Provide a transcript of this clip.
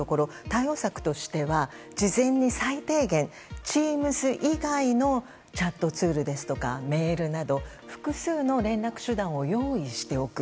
対応策としては事前に最低限、Ｔｅａｍｓ以外のチャットツールやメールなど複数の連絡手段を用意しておく。